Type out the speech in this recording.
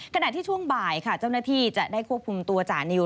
ขณะที่ช่วงบ่ายค่ะเจ้าหน้าที่จะได้ควบคุมตัวจานิว